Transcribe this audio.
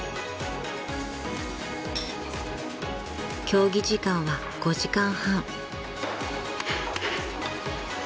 ［競技時間は５時間半］